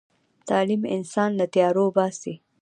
تعلیم انسان له تیارو وباسي.